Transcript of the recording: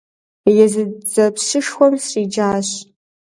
Езы дзэпщышхуэм сриджащ!